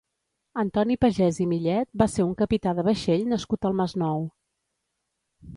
Antoni Pagès i Millet va ser un capità de vaixell nascut al Masnou.